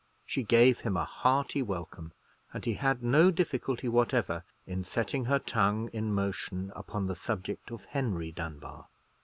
She gave him a hearty welcome, and he had no difficulty whatever in setting her tongue in motion upon the subject of Henry Dunbar.